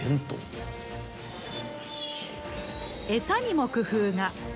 餌にも工夫が。